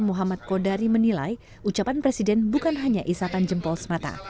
muhammad kodari menilai ucapan presiden bukan hanya isapan jempol semata